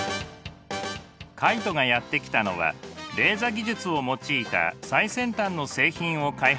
カイトがやって来たのはレーザ技術を用いた最先端の製品を開発している会社です。